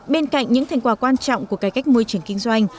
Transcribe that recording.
bên cạnh những thành quả quan trọng của cải cách môi trường kinh doanh